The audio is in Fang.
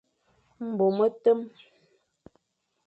Mbo metem,